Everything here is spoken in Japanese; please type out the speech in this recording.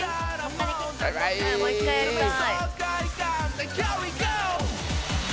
もう一回やりたい。